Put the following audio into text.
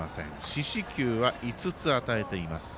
四死球は５つ与えています。